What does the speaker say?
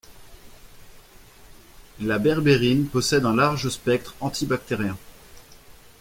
La berbérine possède un large spectre antibactérien.